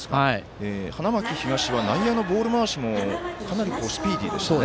花巻東は内野のボール回しもかなりスピーディーでしたね。